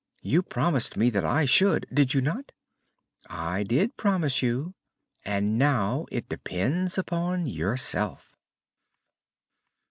You promised me that I should, did you not?" "I did promise you, and it now depends upon yourself."